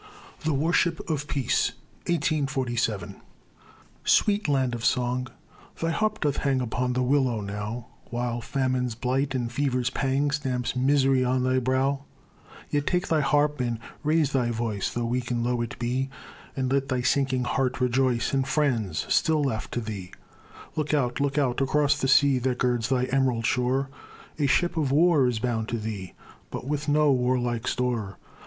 THE WAR SHIP OF PEACE Sweet land of song, thy harp doth hang Upon the willow now, While famine's blight and fever's pang Stamps mis'ry on thy brow; Yet take thy harp and raise thy voice, Though weak and low it be, And let thy sinking heart rejoice In friends still left to thee. Look out! look out! across the sea That girds thy em'rald shore, A ship of war is bound to thee, But with no war like store.